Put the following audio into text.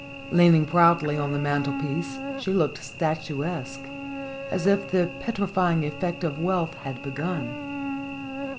Lean ing proudly on the mantelpiece, she looked statuesque, as if the petrifying effect of wealth had begun.